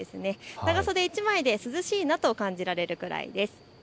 長袖１枚で涼しいなと感じられるくらいです。